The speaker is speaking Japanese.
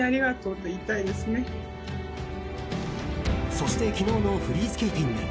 そして昨日のフリースケーティング。